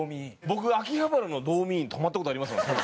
僕秋葉原のドーミーイン泊まった事あります。